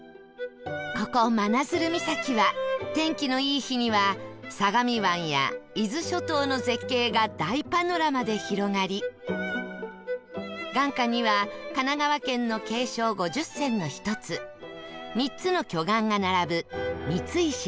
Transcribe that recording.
ここ真鶴岬は天気のいい日には相模湾や伊豆諸島の絶景が大パノラマで広がり眼下には神奈川県の景勝５０選の一つ３つの巨岩が並ぶ三ツ石が